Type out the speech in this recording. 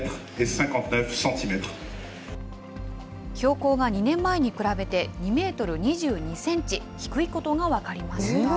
標高が２年前に比べて、２メートル２２センチ低いことが分かりました。